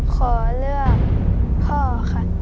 ขอเลือกพ่อค่ะ